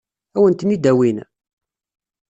Ad wen-ten-id-awin?